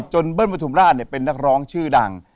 เบิ้ลประทุมราชเป็นนักร้องชื่อดัง